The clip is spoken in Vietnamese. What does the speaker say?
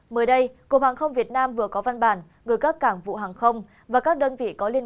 mới đây cục hàng không việt nam vừa có văn bản gửi các cảng vụ hàng không và các đơn vị có liên